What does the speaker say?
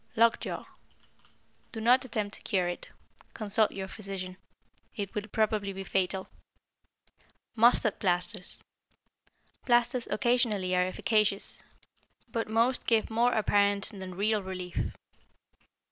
=Lockjaw.= Do not attempt to cure it. Consult your physician. It will probably be fatal. =Mustard Plasters.= Plasters occasionally are efficacious, but most give more apparent than real relief.